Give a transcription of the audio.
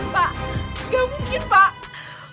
pak gak mungkin pak